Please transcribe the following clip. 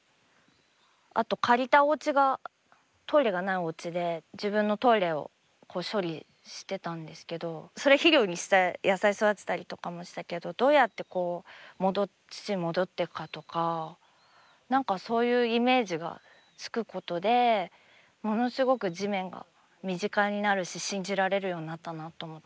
あと借りたおうちがトイレがないおうちで自分のトイレを処理してたんですけどそれ肥料にして野菜育てたりとかもしたけどどうやってこう土に戻っていくかとか何かそういうイメージがつくことでものすごく地面が身近になるし信じられるようになったなあと思って。